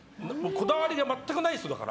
こだわりがまったくないんすだから。